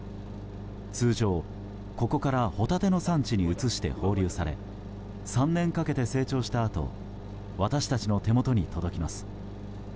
通常、ここからホタテの産地に移して放流され３年かけて成長したあと私たちの手元に届きます。